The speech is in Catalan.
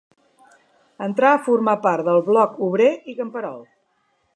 Entrar a formar part del Bloc Obrer i Camperol.